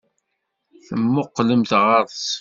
Temmuqqlemt ɣer-s?